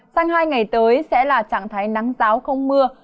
sang hai ngày tới sẽ là trạng thái nắng giáo không mưa